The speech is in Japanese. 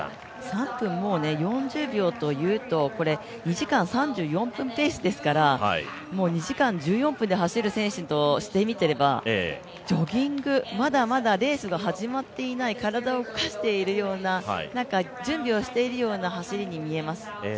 ３分４０秒というと、２時間３４分ペースですから、もう２時間１４分で走る選手としてみれば、ジョギング、まだまだレースが始まっていない体を動かしているような、準備をしているような走りに見えます。